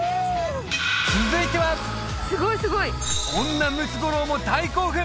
続いては女ムツゴロウも大興奮！